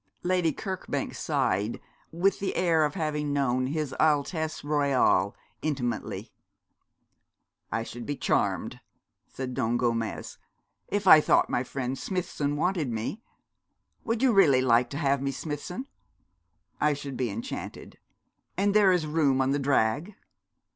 Lady Kirkbank sighed, with the air of having known his Altesse Royale intimately. 'I should be charmed,' said Don Gomez, 'if I thought my friend Smithson wanted me. Would you really like to have me, Smithson?' 'I should be enchanted.' 'And there is room on the drag?'